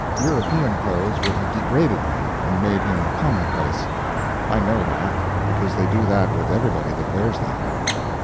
European clothes would have degraded him and made him commonplace. I know that, because they do that with everybody that wears them.